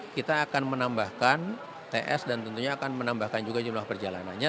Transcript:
kita akan menambahkan ts dan tentunya akan menambahkan juga jumlah perjalanannya